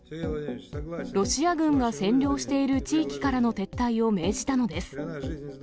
ロシア軍が占領している地域からの撤退を命じたのです。